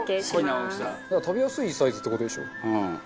中丸：食べやすいサイズって事でしょ。